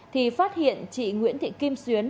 thì phát hiện chị nguyễn thị kim xuyến